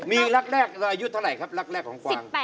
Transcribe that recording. มีรักแรกอายุเท่าไหร่ครับรักแรกของกวาง